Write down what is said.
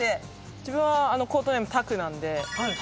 自分はコートネームタクなんで。